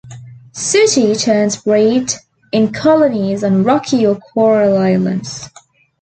Sooty terns breed in colonies on rocky or coral islands.